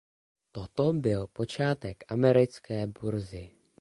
Toto byl počátek Americké burzy.